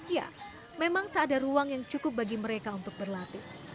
ya memang tak ada ruang yang cukup bagi mereka untuk berlatih